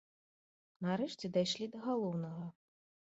Нарэшце, дайшлі да галоўнага.